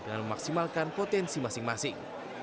dengan memaksimalkan potensi masing masing